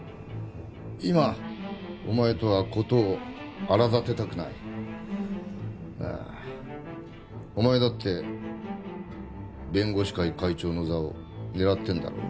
今お前とは事を荒立てたくないお前だって弁護士会会長の座を狙ってるんだろう？